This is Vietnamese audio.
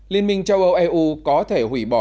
liên minh châu âu eu có thể hủy bỏ